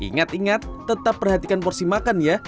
ingat ingat tetap perhatikan porsi makan ya